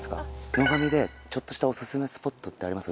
野上でちょっとしたオススメスポットってあります？